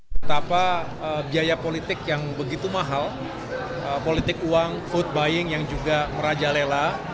betapa biaya politik yang begitu mahal politik uang food buying yang juga merajalela